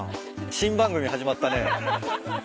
新番組始まったね。